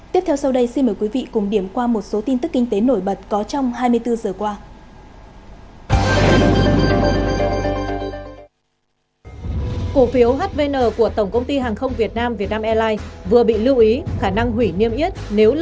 tiếp theo sau đây xin mời quý vị cùng điểm qua một số tin tức kinh tế nổi bật